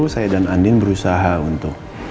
saya dan andin berusaha untuk